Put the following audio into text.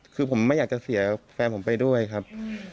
คือผมไม่อยากจะเสียแฟนผมไปด้วยครับ